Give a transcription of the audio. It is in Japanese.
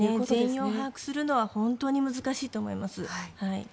全容を把握するのは本当に難しいと思います。